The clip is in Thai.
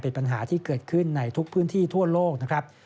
เป็นปัญหาที่เกิดขึ้นในทุกพื้นที่ทั่วโลกนะครับ